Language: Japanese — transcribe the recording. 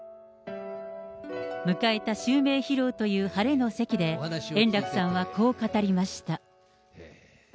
迎えた襲名披露という晴れの席で、円楽さんはこう語りました。